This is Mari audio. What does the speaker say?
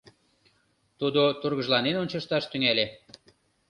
Тудо тургыжланен ончышташ тӱҥале.